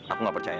aku nggak percaya